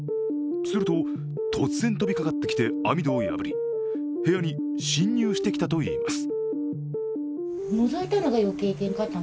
すると突然飛びかかってきて網戸を破り、部屋に侵入してきたといいます。